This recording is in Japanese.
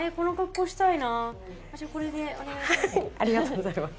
ありがとうございます。